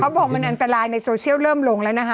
บอกมันอันตรายในโซเชียลเริ่มลงแล้วนะคะ